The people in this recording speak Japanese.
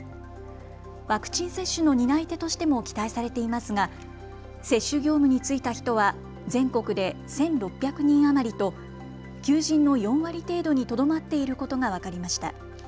ワクチン接種の担い手としても期待されていますが接種業務に就いた人は全国で１６００人余りと求人の４割程度にとどまっていることが分かりました。